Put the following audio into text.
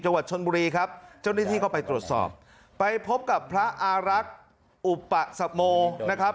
จังหวัดชนบุรีครับเจ้าหน้าที่ก็ไปตรวจสอบไปพบกับพระอารักษ์อุปสโมนะครับ